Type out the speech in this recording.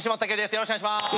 よろしくお願いします。